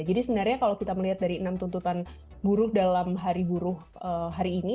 jadi sebenarnya kalau kita melihat dari enam tuntutan buruh dalam hari buruh hari ini